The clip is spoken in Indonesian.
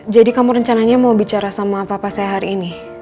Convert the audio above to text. jadi kamu rencananya mau bicara sama papa saya hari ini